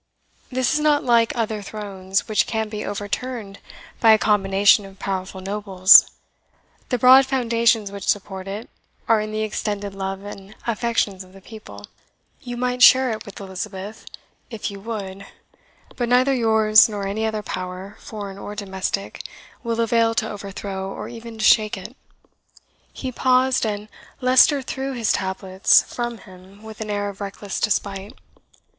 This is not like other thrones, which can be overturned by a combination of powerful nobles; the broad foundations which support it are in the extended love and affections of the people. You might share it with Elizabeth if you would; but neither yours, nor any other power, foreign or domestic, will avail to overthrow, or even to shake it." He paused, and Leicester threw his tablets from him with an air of reckless despite.